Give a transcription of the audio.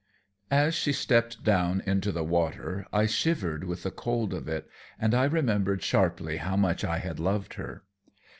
As she stepped down into the water I shivered with the cold of it, and I remembered sharply how much I had loved her.